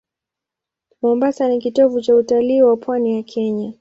Mombasa ni kitovu cha utalii wa pwani ya Kenya.